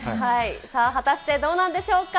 さあ、果たしてどうなんでしょうか。